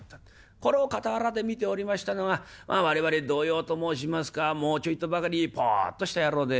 これを傍らで見ておりましたのが我々同様と申しますかもうちょいとばかりぽっとした野郎で。